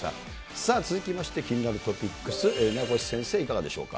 さあ、続きまして、気になるトピックス、名越先生、いかがでしょうか。